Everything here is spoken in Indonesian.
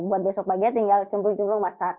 buat besok pagi tinggal cembung cembung masak